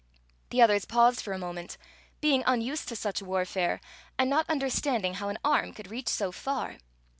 The others paused for a moment, being unused to Queen Zixi of Ix ; or, the such warfare and not understanding how an arm could reach so far.